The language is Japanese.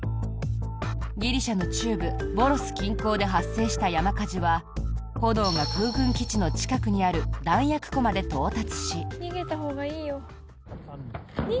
ギリシャの中部ボロス近郊で発生した山火事は炎が空軍基地の近くにある弾薬庫まで到達し。